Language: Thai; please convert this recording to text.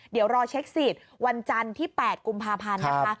เดี๋ยวรอเช็กสีตวันจันที่๘กุมภาพนะครับ